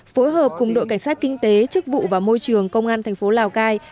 phối hợp cùng đội cảnh sát kinh tế chức vụ và môi trường công an tp lào cai